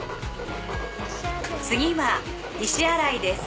次は西新井です。